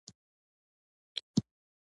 روژه راغله.